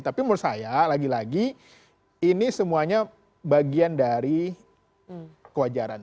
tapi menurut saya lagi lagi ini semuanya bagian dari kewajaran